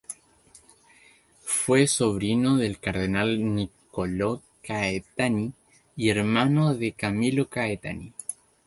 Fue sobrino del cardenal Niccolò Caetani, y hermano de Camillo Caetani.